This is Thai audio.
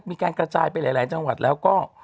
มีการกระจายไปหลายจังหวัดแล้วก็